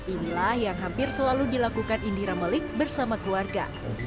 inilah yang hampir selalu dilakukan indira melik bersama keluarga